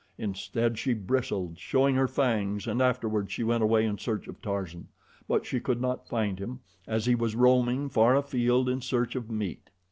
Instead she bristled, showing her fangs, and afterward she went away in search of Tarzan; but she could not find him, as he was roaming far afield in search of meat.